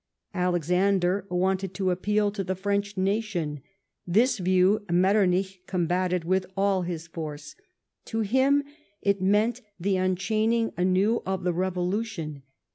Alexander wanted to appeal to the French nation. This view Metternich combated with all his force. To him it meant the unchaining anew of the Revolution.